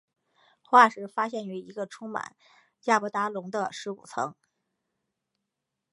化石发现于一个充满亚伯达龙的尸骨层。